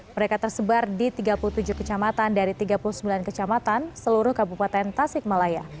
mereka tersebar di tiga puluh tujuh kecamatan dari tiga puluh sembilan kecamatan seluruh kabupaten tasikmalaya